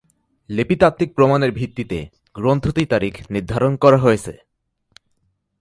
লিপিতাত্ত্বিক প্রমাণের ভিত্তিতেও গ্রন্থটির তারিখ নির্ধারণ করা হয়েছে।